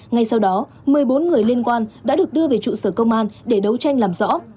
ngay sau đó một mươi bốn người liên quan đã được đưa về trụ sở công an để đấu tranh làm rõ